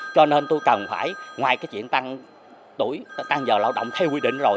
cho nên tôi cần phải ngoài cái chuyện tăng tuổi tăng giờ lao động theo quy định rồi